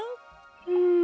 うん。